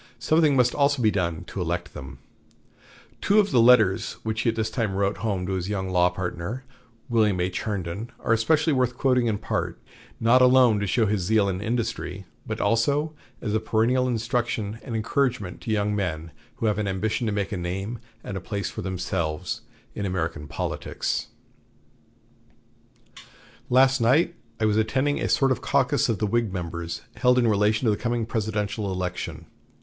Something must also be done to elect them. Two of the letters which he at this time wrote home to his young law partner, William H. Herndon, are especially worth quoting in part, not alone to show his own zeal and industry, but also as a perennial instruction and encouragement to young men who have an ambition to make a name and a place for themselves in American politics: "Last night I was attending a sort of caucus of the Whig members, held in relation to the coming presidential election.